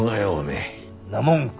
んなもん